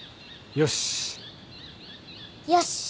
よし。